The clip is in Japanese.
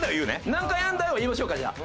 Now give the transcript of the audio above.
「何回やるんだ！」は言いましょうかじゃあ。